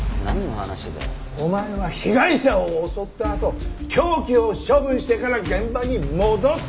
お前は被害者を襲ったあと凶器を処分してから現場に戻った。